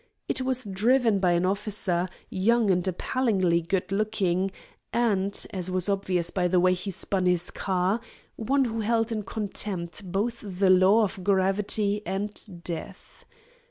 It was driven by an officer, young and appallingly good looking, and, as was obvious by the way he spun his car, one who held in contempt both the law of gravity and death.